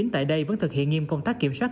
tại đây vẫn thực hiện nghiêm công tác kiểm soát